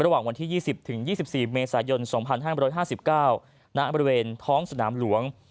ระหว่างวันที่๒๐ถึง๒๔เมษายน๒๕๕๙นบริเวณท้องสนามหลวง